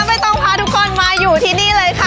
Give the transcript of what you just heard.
ไม่ต้องพาทุกคนมาอยู่ที่นี่เลยค่ะ